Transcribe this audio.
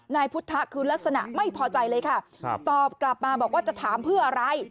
นายพุทธคือลักษณะไม่พอใจเลยค่ะตอบกลับมาบอกว่าจะถามเพื่ออะไร